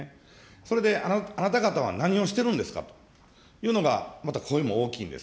それで、あなた方は何をしてるんですかという、また声も大きいんです。